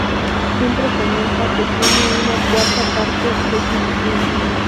Siempre comenta que tiene una cuarta parte de filipina.